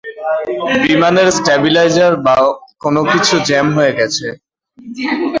বিমানের স্টেবিলাইজার বা কোনো কিছু জ্যাম হয়ে গেছে।